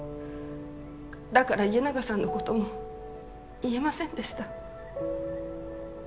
だから家長さんのことも言えませんでした。